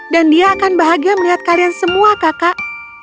dan dia akan bahagia melihat kalian semua kakak